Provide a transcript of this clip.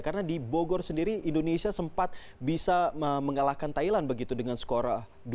karena di bogor sendiri indonesia sempat bisa mengalahkan thailand begitu dengan skor dua satu